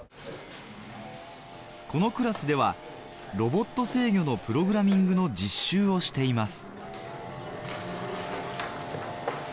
このクラスではロボット制御のプログラミングの実習をしています